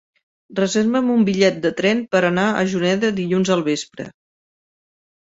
Reserva'm un bitllet de tren per anar a Juneda dilluns al vespre.